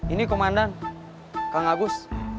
ini komandan kang agus